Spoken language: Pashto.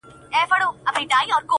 چې انسان داسې انځوروي